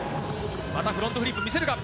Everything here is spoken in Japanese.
またフロントフリップ見せるか？